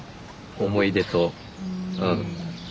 思い出とうん。